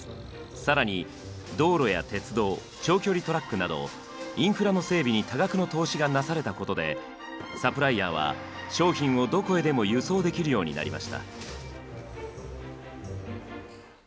更に道路や鉄道長距離トラックなどインフラの整備に多額の投資がなされたことでサプライヤーは商品をどこへでも輸送できるようになりました。